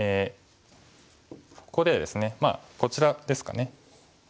ここでですねまあこちらですかね。